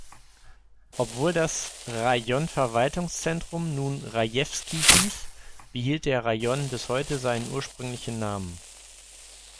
Obwohl das Rajonverwaltungszentrum nun Rajewski hieß, behielt der Rajon bis heute seinen ursprünglichen Namen.